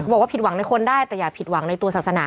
บอกว่าผิดหวังในคนได้แต่อย่าผิดหวังในตัวศาสนา